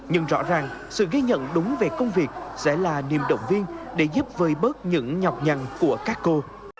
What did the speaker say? nhưng rõ ràng sự ghi nhận đúng về công việc sẽ là niềm động viên để giúp vơi bớt những nhọc nhằn của các cô